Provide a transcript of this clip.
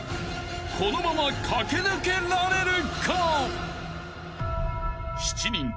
［このまま駆け抜けられるか！？］